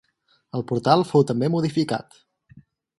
El portal fou també modificat.